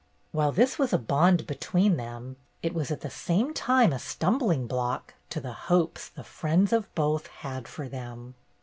While this was a bond between them it was at the same time a stumbling block to the hopes the friends of both had for them.